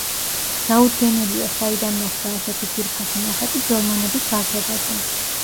დაუდგენელია, საიდან მოხვდა ასეთი ძვირფასი ნახატი ძველმანების ბაზრობაზე.